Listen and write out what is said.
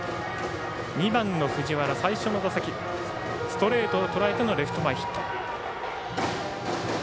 ２番の藤原、最初の打席はストレートをとらえてのレフト前ヒット。